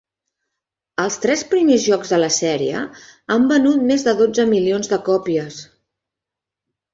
Els tres primers jocs de la sèrie han venut més de dotze milions de còpies.